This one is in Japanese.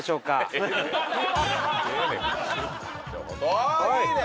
あいいね。